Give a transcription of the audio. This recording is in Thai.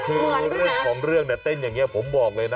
คือเรื่องของเรื่องเนี่ยเต้นอย่างนี้ผมบอกเลยนะ